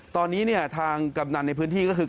ตอนนี้เนี่ยทางกำนันในพื้นที่ก็คือ